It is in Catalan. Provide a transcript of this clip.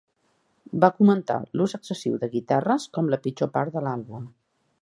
Va comentar l"ús excessiu de guitarres com la pitjor part de l"àlbum.